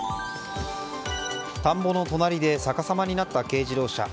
田んぼの隣で逆さまになった軽自動車。